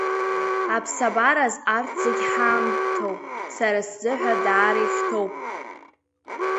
Аԥсабараз арҭ зегь ҳамҭоуп, сара сзыҳәа даара ихьҭоуп.